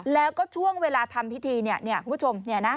แล้วก็ช่วงเวลาทำพิธีเนี่ยคุณผู้ชม